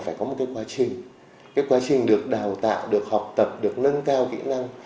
phải có một cái quá trình cái quá trình được đào tạo được học tập được nâng cao kỹ năng